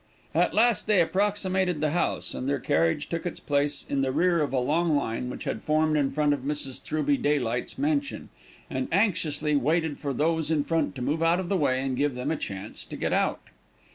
At last they approximated the house, and their carriage took its place in the rear of a long line which had formed in front of Mrs. Throughby Daylight's mansion, and anxiously waited for those in front to move out of the way, and give them a chance to get out.